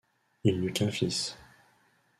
Il n'eut qu'un fils.